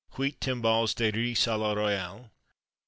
Huit Timballes de Riz à la Royale.